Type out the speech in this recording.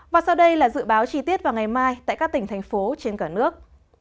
và sau đây là dự báo chi tiết vào ngày mai tại các tỉnh thành phố trên cả nước